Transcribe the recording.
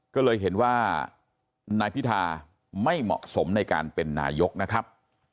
ก็เลยเห็นว่านายพิธาไม่เหมาะสมในการเป็นนายกนะครับ